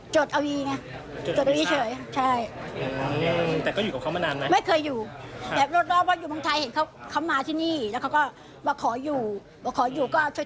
จดเอาวีไงจดเอาวีเฉยใช่